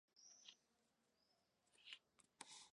ბრძოლა ფრანგი ოკუპანტების წინააღმდეგ გრძელდებოდა.